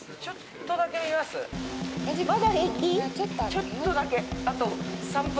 ちょっとだけ。